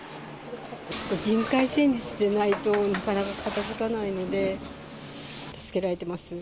人海戦術でないと、なかなか片づかないので、助けられてます。